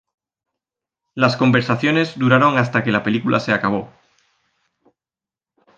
Las conversaciones duraron hasta que la película se acabó.